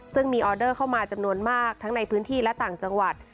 ซึ่งมีออเดอร์เข้ามาจำนวนมากทั้งในพื้นที่และต่างจังหวัด